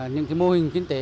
những mô hình kinh tế